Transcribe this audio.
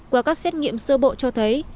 qua các xét nghiệm sơ bộ cho thấy